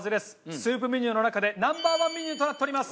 スープメニューの中でナンバー１メニューとなっております。